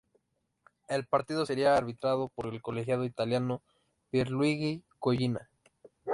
El partido sería arbitrado por el colegiado italiano Pierluigi Collina.